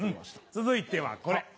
続いてはこれ。